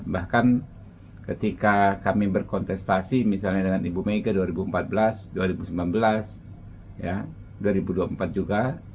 bahkan ketika kami berkontestasi misalnya dengan ibu mega dua ribu empat belas dua ribu sembilan belas dua ribu dua puluh empat juga